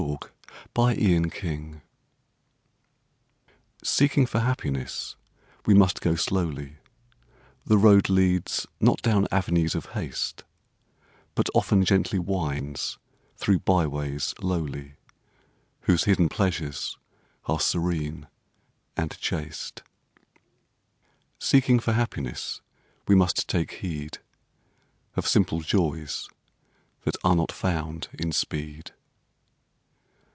SEEKING FOR HAPPINESS SEEKING for happiness we must go slowly; The road leads not down avenues of haste; But often gently winds through by ways lowly, Whose hidden pleasures are serene and chaste Seeking for happiness we must take heed Of simple joys that are not found in speed.